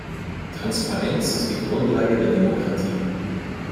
Transparenz ist die Grundlage der Demokratie.